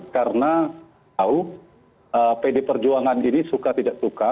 karena tahu pdi perjuangan ini suka tidak suka